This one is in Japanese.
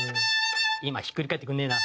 今ひっくり返ってくれねえな。